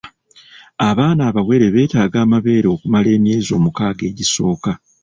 Abaana abawere beetaaga amabeere okumala emyezi omukaaga egisooka.